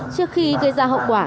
trước khi gây ra hậu quả